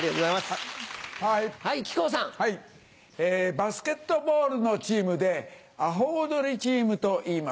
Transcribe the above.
バスケットボールのチームでアホウドリチームといいます。